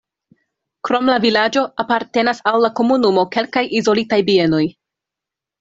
Krom la vilaĝo apartenas al la komunumo kelkaj izolitaj bienoj.